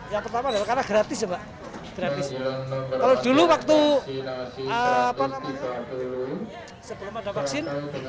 yang pertama adalah karena gratis kalau dulu waktu sebelum ada vaksin